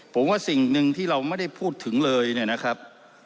ผมว่าสิ่งหนึ่งที่เราไม่ได้พูดถึงเลยเนี่ยนะครับ